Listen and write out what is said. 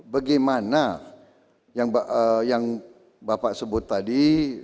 bagaimana yang bapak sebut tadi